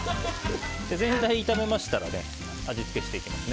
全体を炒めましたら味付けをしていきます。